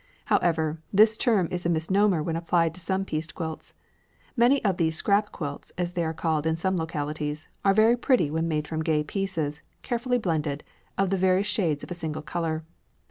However, this term is a misnomer when applied to some pieced quilts. Many of the "scrap quilts," as they are called in some localities, are very pretty when made from gay pieces carefully blended of the various shades of a single colour.